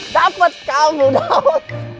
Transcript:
dapet kamu dong